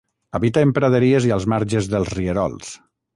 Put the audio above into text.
Habita en praderies i als marges dels rierols.